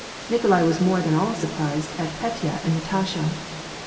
Nikolai was more than all surprised at Petya and Natasha.